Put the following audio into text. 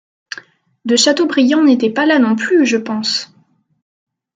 De Châteaubriand n'était pas là non plus, je pense !